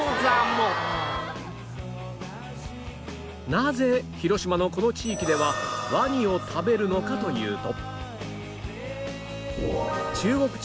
なぜ広島のこの地域ではワニを食べるのかというと